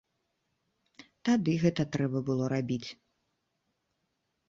Тады гэта трэба было рабіць.